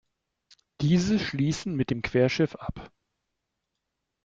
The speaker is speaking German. Diese schließen mit dem Querschiff ab.